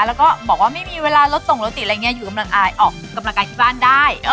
แล้วก็บอกว่าไม่มีเวลารถส่งรถติดอะไรอย่างนี้อยู่กำลังออกกำลังกายที่บ้านได้